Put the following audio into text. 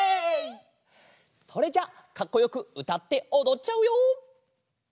それじゃあかっこよくうたっておどっちゃうよ！